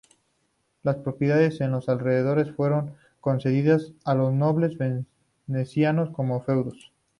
Las propiedades en los alrededores fueron concedidas a los nobles venecianos como feudos.